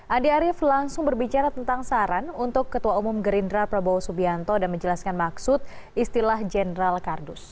andi arief langsung berbicara tentang saran untuk ketua umum gerindra prabowo subianto dan menjelaskan maksud istilah general kardus